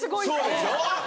そうでしょ？